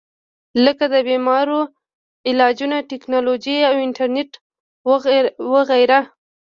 لکه د بيمارو علاجونه ، ټېکنالوجي او انټرنيټ وغېره